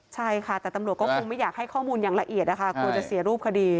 ใช่ค่ะแต่ตำรวจก็คงไม่อยากให้ข้อมูลอย่างละเอียดนะคะกลัวจะเสียรูปคดี